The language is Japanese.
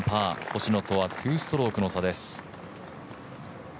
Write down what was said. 星野とは２ストロークの差です。